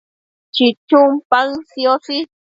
chichun paën sioshi